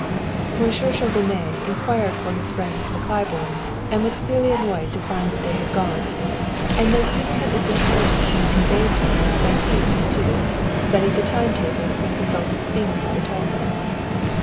Monsieur Chauvenet inquired for his friends the Claibornes, and was clearly annoyed to find that they had gone; and no sooner had this intelligence been conveyed to him than he, too, studied time tables and consulted steamer advertisements.